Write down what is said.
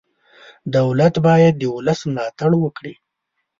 دولت باید د ولس ملاتړ وکړي.